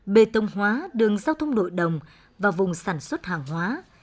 bê tông hóa đường giao thông nội đồng và vùng sản xuất hàng hóa